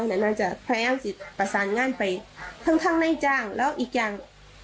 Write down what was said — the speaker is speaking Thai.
ค่อนข้างไปพยายามประสานงานทั้งในมือแล้วกันอีกอย่าง